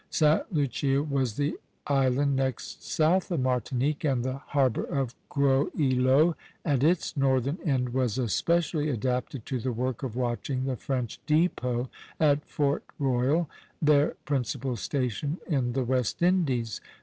Sta. Lucia was the island next south of Martinique, and the harbor of Gros Ilot at its northern end was especially adapted to the work of watching the French depot at Fort Royal, their principal station in the West Indies.